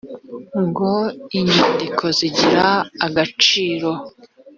ngo inyandiko zigire agaciro